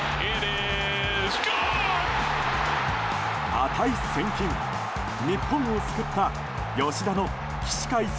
値千金、日本を救った吉田の起死回生